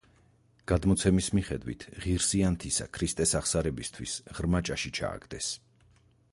გადმოცემის მიხედვით, ღირსი ანთისა ქრისტეს აღსარებისთვის ღრმა ჭაში ჩააგდეს.